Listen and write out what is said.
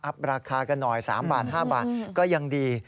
อัพราคากันหน่อย๓๕บาทก็ยังดี